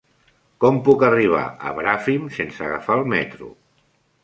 Com puc arribar a Bràfim sense agafar el metro?